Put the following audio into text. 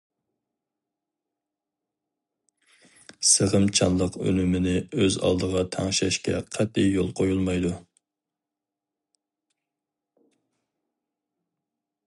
سىغىمچانلىق ئۈنۈمىنى ئۆز ئالدىغا تەڭشەشكە قەتئىي يول قويۇلمايدۇ.